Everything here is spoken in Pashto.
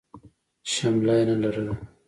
شمله يې نه لرله.